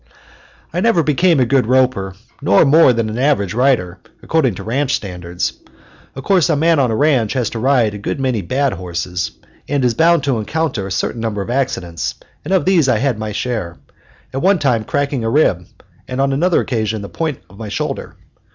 I never became a good roper, nor more than an average rider, according to ranch standards. Of course a man on a ranch has to ride a good many bad horses, and is bound to encounter a certain number of accidents, and of these I had my share, at one time cracking a rib, and on another occasion the point of my shoulder.